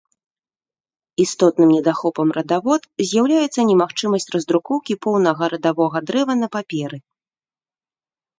Істотным недахопам радавод з'яўляецца немагчымасць раздрукоўкі поўнага радавога дрэва на паперы.